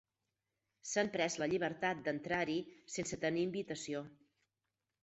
S'han pres la llibertat d'entrar-hi sense tenir invitació.